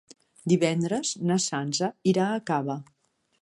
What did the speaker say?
Divendres na Sança irà a Cava.